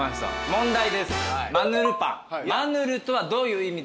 問題です。